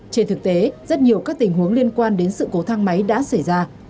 trên thực tế rất nhiều các tình huống liên quan đến sự cố thang máy đã xảy ra